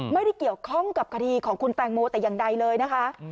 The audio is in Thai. ไม่ได้เกี่ยวข้องกับคดีของคุณแตงโมแต่อย่างใดเลยนะคะ